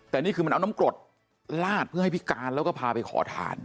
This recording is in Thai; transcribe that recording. แต่นี่คือมันเอาน้ำกรดลาดเพื่อให้พิการแล้วก็พาไปขอทาน